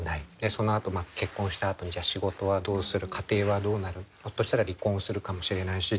そのあと結婚したあとに仕事はどうする家庭はどうなるひょっとしたら離婚するかもしれないし。